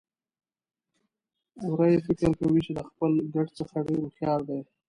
وری فکر کوي چې د خپل ګډ څخه ډېر هوښيار دی.